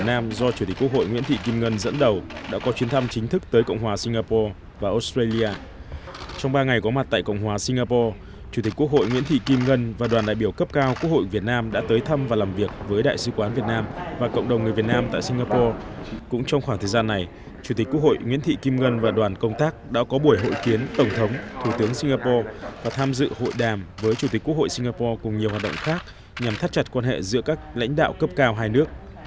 trong khoảng thời gian này chủ tịch quốc hội nguyễn thị kim ngân và đoàn công tác đã có buổi hội kiến tổng thống thủ tướng singapore và tham dự hội đàm với chủ tịch quốc hội singapore cùng nhiều hoạt động khác nhằm thắt chặt quan hệ giữa các lãnh đạo cấp cao hai nước